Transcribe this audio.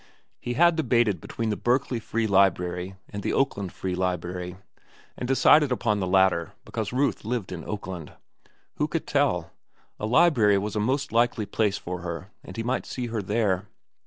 He had debated between the Berkeley Free Library and the Oakland Free Library, and decided upon the latter because Ruth lived in Oakland. Who could tell?—a library was a most likely place for her, and he might see her there.